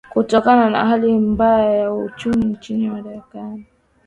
tokana na hali mbaya ya kiuchumi nchini marekani